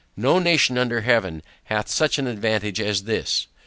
No nation under heaven hath such an advantage as this.